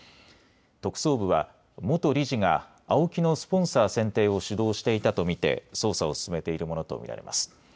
特捜部は元理事がＡＯＫＩのスポンサー選定を主導していたと見て捜査を進めているものと見られます。